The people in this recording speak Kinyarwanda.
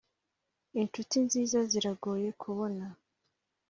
inshuti nziza ziragoye kubona,